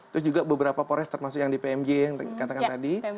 terus juga beberapa pores termasuk yang di pmj yang katakan tadi